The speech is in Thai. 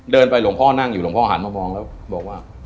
ไปหลวงพ่อนั่งอยู่หลวงพ่อหันมามองแล้วบอกว่า